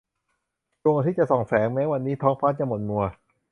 ดวงอาทิตย์จะส่องแสง แม้วันนี้ท้องฟ้าจะหม่นมัว